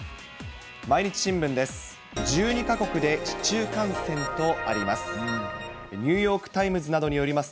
毎日新聞です。